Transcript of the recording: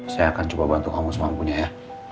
saya akan coba bantu kamu semampunya ya